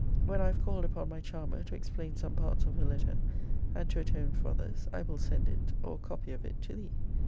When I have called upon my charmer to explain some parts of her letter, and to atone for others, I will send it, or a copy of it, to thee.